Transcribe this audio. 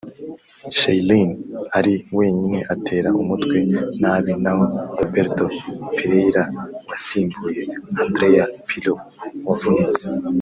Chiellini ari wenyine atera umutwe nabi naho Roberto Pereyra wasimbuye Andrea Pirlo wavunitse